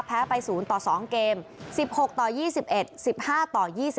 แพ้ไปศูนย์ต่อสองเกม๑๖ต่อ๒๑๑๕ต่อ๒๑